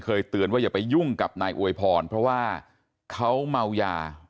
เตือนว่าอย่าไปยุ่งกับนายอวยพรเพราะว่าเขาเมายา